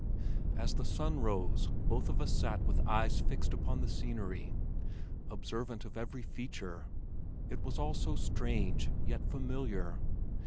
As the sun rose, both of us sat with eyes fixed upon the scenery, observant of every feature. It was all so strange, yet familiar!